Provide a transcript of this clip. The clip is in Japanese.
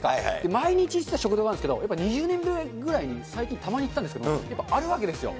毎日行ってた食堂があるんですけど、やっぱり２０年ぶりぐらいに最近、たまに行ったんですけど、やっぱりあるんですよ。